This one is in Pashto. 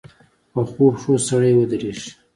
پخو پښو سړی ودرېږي